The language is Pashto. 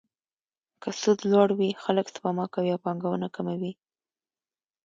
که سود لوړ وي، خلک سپما کوي او پانګونه کمه وي.